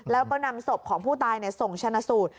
แล้วก็นำศพของผู้ตายส่งชนะสูตร